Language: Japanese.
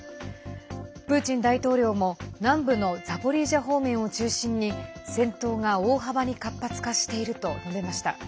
プーチン大統領も南部のザポリージャ方面を中心に戦闘が大幅に活発化していると述べました。